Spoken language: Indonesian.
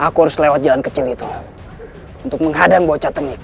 aku harus lewat jalan kecil itu untuk menghadang bocah tengek